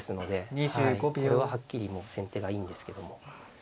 これははっきりもう先手がいいんですけども。